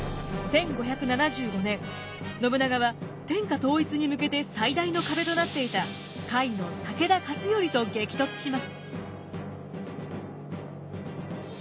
信長は天下統一に向けて最大の壁となっていた甲斐の武田勝頼と激突します。